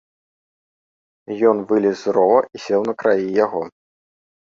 Ён вылез з рова і сеў на краі яго.